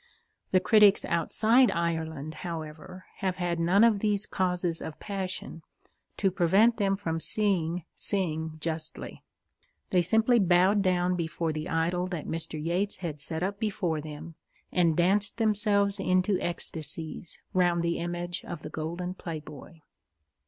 The critics outside Ireland, however, have had none of these causes of passion to prevent them from seeing Synge justly. They simply bowed down before the idol that Mr. Yeats had set up before them, and danced themselves into ecstasies round the image of the golden playboy.